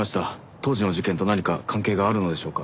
当時の事件と何か関係があるのでしょうか？